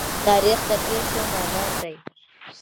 تاریخ د پېښو مادر دی.